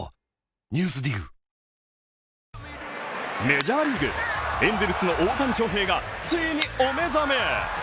メジャーリーグ、エンゼルスの大谷翔平がついにお目覚め！